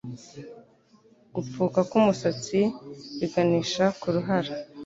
gupfuka k'umusatsi biganisha ku ruhara